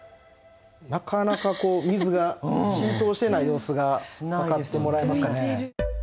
なかなか水が浸透してない様子が分かってもらえますかね。